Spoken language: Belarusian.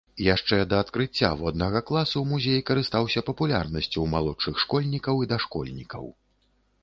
Яшчэ да адкрыцця воднага класу музей карыстаўся папулярнасцю ў малодшых школьнікаў і дашкольнікаў.